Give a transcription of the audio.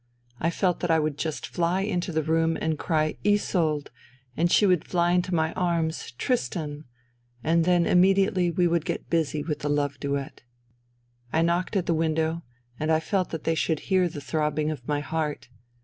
I felt that I would just fly into the room and cry " Isolde!'' and she would fly into my arms — '''Tristan!'' And then, immediately, we would get busy with the love duet. I knocked at the window, and I felt that they should hear the throbbing of my heart.